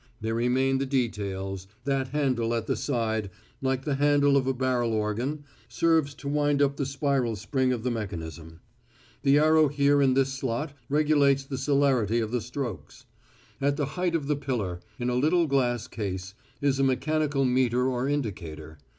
There remain the details. That handle at the side, like the handle of a barrel organ, serves to wind up the spiral spring of the mechanism. The arrow here in this slot regulates the celerity of the strokes. At the height of the pillar, in a little glass case, is a mechanical meter or indicator.